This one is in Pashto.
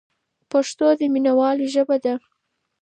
پښتو د مینوالو ژبه ده.